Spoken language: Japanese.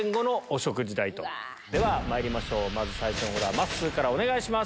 ではまいりましょう最初のオーダーまっすーからお願いします。